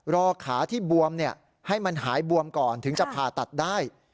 รอขาที่บวมให้มันหายบวมก่อนถึงจะผ่าตัดได้